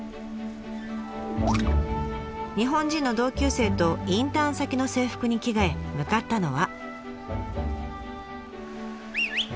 日本人の同級生とインターン先の制服に着替え向かったのは。